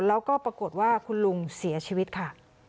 แล้วก็ปรากฏว่าคุณลุงเสียชีวิตค่ะ